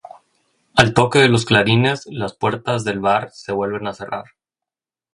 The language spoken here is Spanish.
Al toque de los clarines, las puertas del bar se vuelven a cerrar.